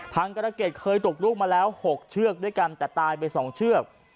กรเกษเคยตกลูกมาแล้ว๖เชือกด้วยกันแต่ตายไป๒เชือก